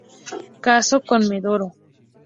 Casó con Medoro.